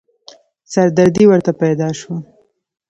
سردردې ورته پيدا شوه.